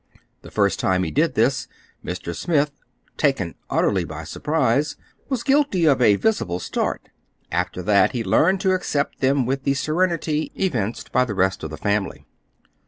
The first time he did this, Mr. Smith, taken utterly by surprise, was guilty of a visible start. After that he learned to accept them with the serenity evinced by the rest of the family.